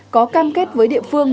có cam kết với địa phương